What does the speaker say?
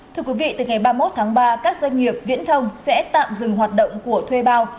thưa quý vị từ ngày ba mươi một tháng ba các doanh nghiệp viễn thông sẽ tạm dừng hoạt động của thuê bao